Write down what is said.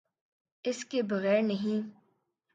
اس کے بغیر نہیں۔